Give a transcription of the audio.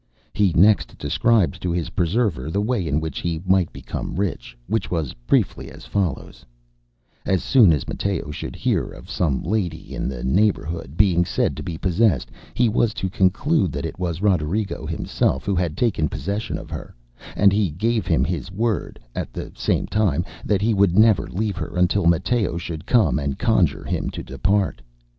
He next described to his preserver the way in which he might become rich, which was briefly as follows: As soon as Matteo should hear of some lady in the neighbourhood being said to be possessed, he was to conclude that it was Roderigo himself who had taken possession of her; and he gave him his word, at the same time, that he would never leave her until Matteo should come and conjure him to depart.